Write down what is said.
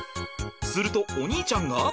するとお兄ちゃんが。